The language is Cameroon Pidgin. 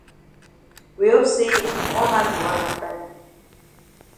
We hope say all man be waka fine.